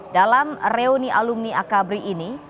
dalam reuni alumni akabri ini